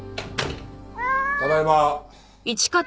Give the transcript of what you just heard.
ただいま。